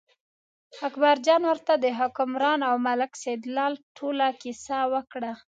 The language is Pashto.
اکبرجان ورته د حکمران او ملک سیدلال ټوله کیسه وکړه.